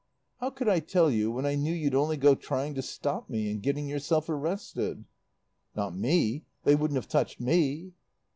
"How could I tell you when I knew you'd only go trying to stop me and getting yourself arrested." "Not me. They wouldn't have touched me."